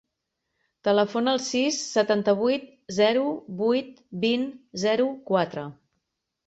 Telefona al sis, setanta-vuit, zero, vuit, vint, zero, quatre.